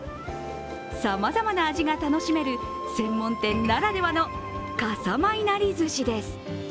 さまざまな味が楽しめる専門店ならではの笠間いなり寿司です。